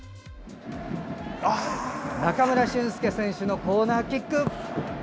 中村俊輔選手のコーナーキック。